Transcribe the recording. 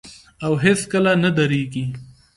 او هیڅکله نه دریږي.